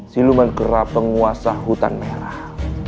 siluman kerap penguasa hutan merah